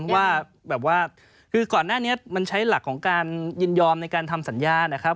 ว่าแบบว่าคือก่อนหน้านี้มันใช้หลักของการยินยอมในการทำสัญญานะครับ